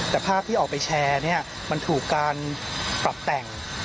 แต่ภาพที่ออกไปแชร์เนี่ยมันถูกการปรับแต่ง